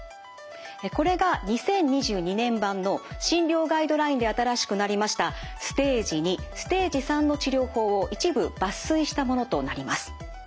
これが２０２２年版の診療ガイドラインで新しくなりましたステージⅡステージⅢの治療法を一部抜粋したものとなります。